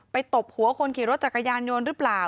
ตบหัวคนขี่รถจักรยานยนต์หรือเปล่า